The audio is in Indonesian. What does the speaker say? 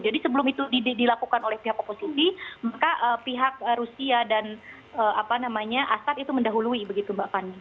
jadi sebelum itu dilakukan oleh pihak oposisi maka pihak rusia dan asat itu mendahului begitu mbak fani